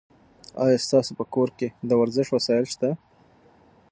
ایا ستاسو په کور کې د ورزش وسایل شته؟